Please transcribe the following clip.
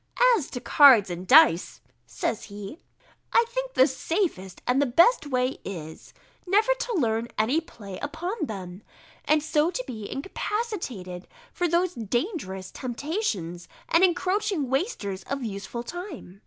"As to cards and dice," says he, "I think the safest and best way is, never to learn any play upon them, and so to be incapacitated for these dangerous temptations, and encroaching wasters of useful time."